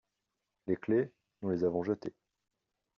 Les clefs, nous les avons jetées.